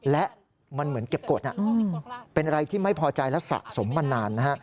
และมันเหมือนเก็บกฎเป็นอะไรที่ไม่พอใจและสะสมมานานนะฮะ